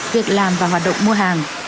việc làm và hoạt động mua hàng